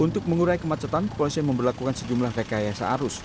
untuk mengurai kemacetan populasi yang memperlakukan sejumlah rekayasa arus